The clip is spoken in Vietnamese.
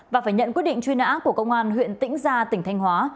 và phải nhận quyết định truy nã của công an huyện tĩnh gia tỉnh thanh hóa